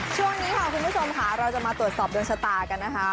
ช่วงนี้ค่ะคุณผู้ชมค่ะเราจะมาตรวจสอบดวงชะตากันนะคะ